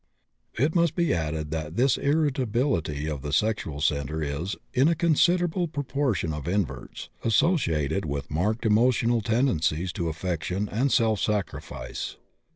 It must be added that this irritability of the sexual centers is, in a considerable proportion of inverts, associated with marked emotional tendencies to affection and self sacrifice.